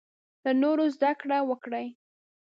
له نورو زده کړه وکړې.